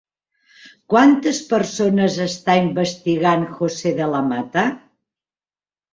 Quantes persones està investigant José de la Mata?